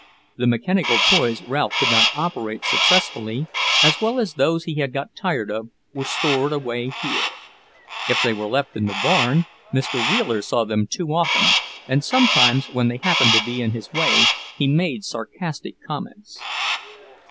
The mechanical toys Ralph could not operate successfully, as well as those he had got tired of, were stored away here. If they were left in the barn, Mr. Wheeler saw them too often, and sometimes, when they happened to be in his way, he made sarcastic comments.